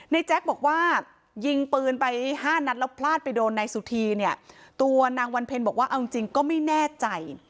แจ๊กบอกว่ายิงปืนไปห้านัดแล้วพลาดไปโดนนายสุธีเนี่ยตัวนางวันเพ็ญบอกว่าเอาจริงก็ไม่แน่ใจ